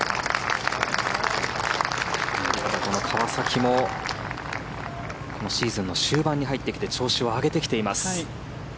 川崎もこのシーズンの終盤に入ってきて調子を上げてきています。